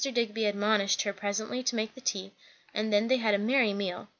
Digby admonished her presently to make the tea; and then they had a merry meal.